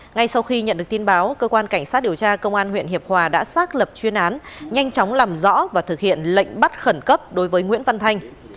ngay sau khi nhận được tin báo cơ quan cảnh sát điều tra công an huyện hiệp hòa đã xác lập chuyên án nhanh chóng làm rõ và thực hiện lệnh bắt khẩn cấp đối với nguyễn văn thanh